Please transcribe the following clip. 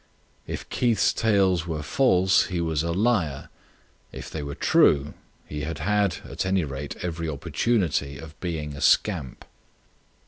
If Keith's tales were false he was a liar; if they were true he had had, at any rate, every opportunity of being a scamp.